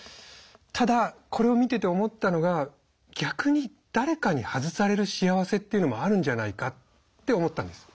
ただこれを見てて思ったのが逆に誰かに外される幸せっていうのもあるんじゃないかって思ったんです。